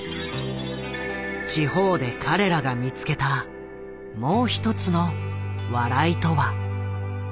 地方で彼らが見つけたもうひとつの笑いとは。